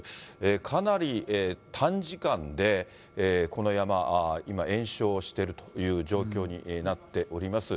かなり短時間でこの山、今、延焼しているという状況になっております。